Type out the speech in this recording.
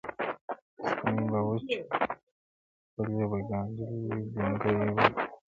ستوني به وچ خولې به ګنډلي وي ګونګي به ګرځو.!